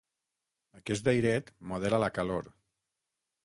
Aquest airet modera la calor.